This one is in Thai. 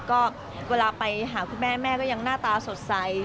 ก็เวลาไปหาคุณแม่แม่ก็ยังหน้าตาสดใส